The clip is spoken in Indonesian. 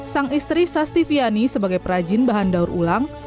sang istri sastiviani sebagai perajin bahan daur ulang